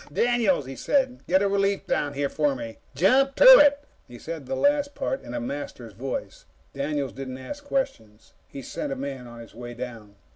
"Daniels," he said, "get a relief down here for me. Jump to it!" He said the last part in a Master's voice. Daniels didn't ask questions. He sent a man on his way down.